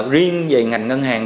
riêng về ngành ngân hàng